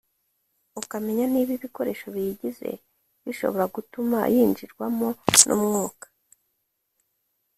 ukamenya niba ibikoresho biyigize bishobora gutuma yinjirwamo n’umwuka